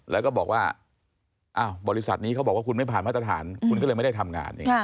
แล้วก็บอกว่าบริษัทนี้เขาบอกว่าคุณไม่ผ่านมาตรฐานคุณก็เลยไม่ได้ทำงาน